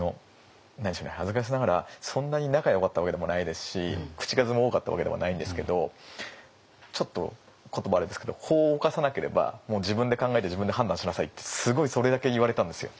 恥ずかしながらそんなに仲よかったわけでもないですし口数も多かったわけでもないんですけどちょっと言葉あれですけど「法を犯さなければ自分で考えて自分で判断しなさい」ってすごいそれだけ言われたんですよ。